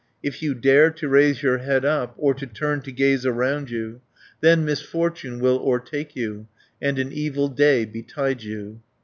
If you dare to raise your head up, Or to turn to gaze around you, 360 Then misfortune will o'ertake you, And an evil day betide you."